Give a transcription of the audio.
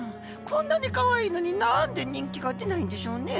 こんなにかわいいのに何で人気が出ないんでしょうね？